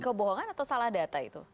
kebohongan atau salah data itu